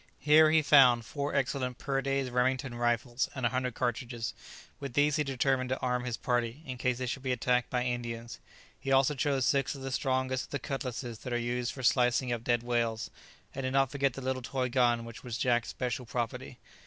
Here he found four excellent Purday's Remington rifles and a hundred cartridges; with these he determined to arm his party, in case they should be attacked by Indians. He also chose six of the strongest of the cutlasses that are used for slicing up dead whales; and did not forget the little toy gun which was Jack's special property.